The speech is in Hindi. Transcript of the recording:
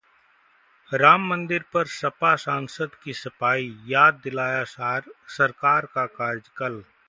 राम मंदिर पर सपा सांसद की सफाई- याद दिलाया सरकार का कार्यकाल